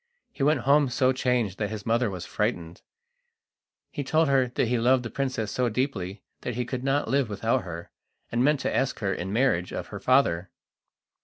He went home so changed that his mother was frightened. He told her he loved the princess so deeply that he could not live without her, and meant to ask her in marriage of her father.